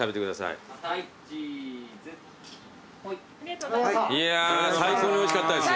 いやー最高においしかったです。